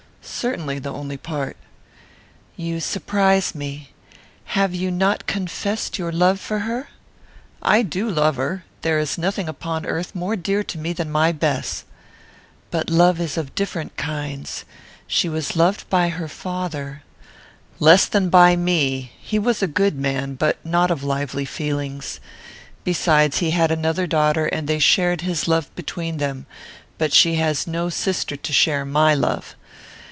"Certainly, the only part." "You surprise me. Have you not confessed your love for her?" "I do love her. There is nothing upon earth more dear to me than my Bess." "But love is of different kinds. She was loved by her father " "Less than by me. He was a good man, but not of lively feelings. Besides, he had another daughter, and they shared his love between them; but she has no sister to share my love.